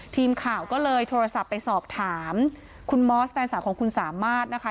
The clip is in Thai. ทีมข่าวก็เลยโทรศัพท์ไปสอบถามคุณมอสแฟนสาวของคุณสามารถนะคะ